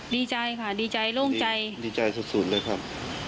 ดีใจค่ะดีใจโล่งใจดีใจสุดเลยครับ